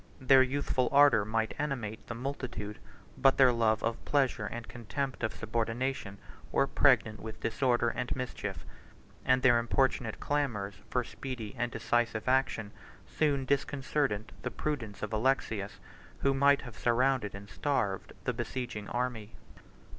Their youthful ardor might animate the multitude; but their love of pleasure and contempt of subordination were pregnant with disorder and mischief; and their importunate clamors for speedy and decisive action disconcerted the prudence of Alexius, who might have surrounded and starved the besieging army.